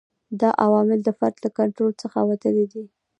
دا عوامل د فرد له کنټرول څخه وتلي دي.